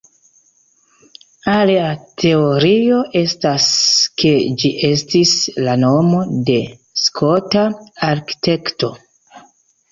Alia teorio estas ke ĝi estis la nomo de Skota arkitekto.